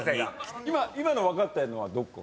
今の分かったのはどこ？